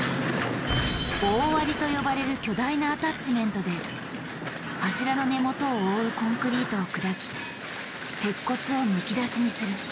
「大割り」と呼ばれる巨大なアタッチメントで柱の根元を覆うコンクリートを砕き鉄骨をむき出しにする。